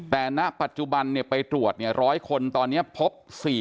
แต่ณปัจจุบันไปตรวจ๑๐๐คนตอนนี้พบ๔๐